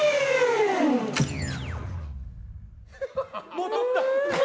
戻った！